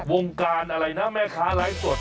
วงการอะไรนะแม่ค้าไลฟ์สด